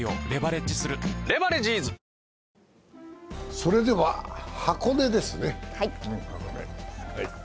それでは箱根ですね。